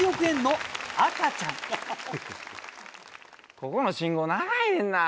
ここの信号長いねんな。